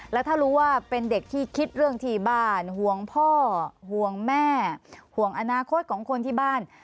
แล้วถ้ารู้ว่าเป็นเด็กที่คิดเรื่องที่บ้านห่วงพ่อห่วงแม่ห่วงอนาคตของคนที่บ้าน